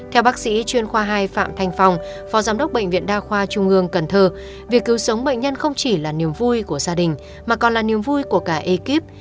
theo bác sĩ chuyên khoa hai phạm thanh phong phó giám đốc bệnh viện đa khoa trung ương cần thơ việc cứu sống bệnh nhân không chỉ là niềm vui của gia đình mà còn là niềm vui của cả ekip